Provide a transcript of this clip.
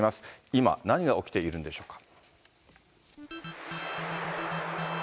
今、何が起きているんでしょうか。